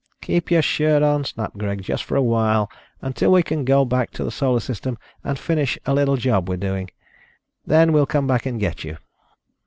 "Keep your shirt on," snapped Greg. "Just for a while, until we can go back to the Solar System and finish a little job we're doing. Then we'll come back and get you."